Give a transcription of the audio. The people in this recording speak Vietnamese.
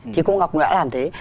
thì cô ngọc đã làm thế